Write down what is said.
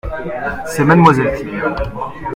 C'est mademoiselle Claire.